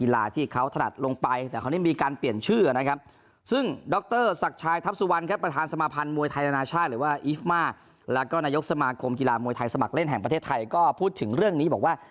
แล้วก็อีฟมาแล้วก็นายกสมาคมกีฬามวยไทยสมัครเล่นแห่งประเทศไทยก็พูดถึงเรื่องนี้บอกว่า